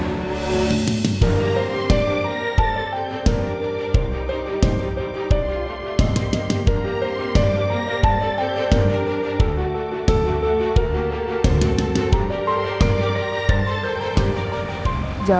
aku mau tau